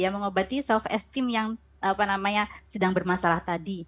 mengobati self esteem yang sedang bermasalah tadi